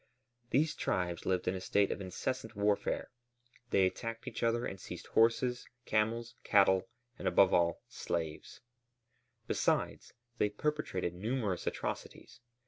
These tribes lived in a state of incessant warfare. They attacked each other and seized horses, camels, cattle, and, above all, slaves; besides, they perpetrated numerous atrocities.